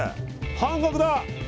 半額だ！